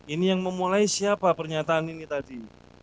ini yang memulai siapa pernyataan ini tadi